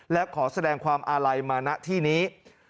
และขอแสดงความอาลัยมาณที่นี้